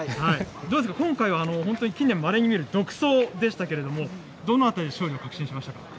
どうですか、今回は本当に近年まれにみる独走でしたけれども、どのあたりで勝利を確信しましたか。